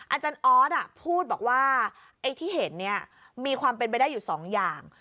อาจารย์ออสพูดบอกว่าไอ้ที่เห็นเนี่ยมีความเป็นไปได้อยู่สองอย่าง